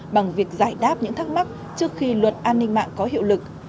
bằng việc giải đáp những thắc mắc trước khi luật an ninh mạng có hiệu lực